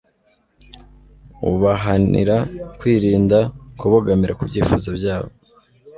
ubahanira kwirinda kubogamira ku byifuzo byabo